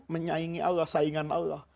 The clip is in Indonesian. menyaingi allah saingan allah